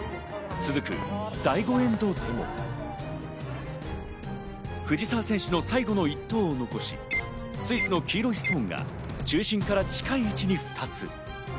続く第５エンドでも、藤澤選手の最後の１投を残し、スイスの黄色いストーンが中心から近い位置に２つ。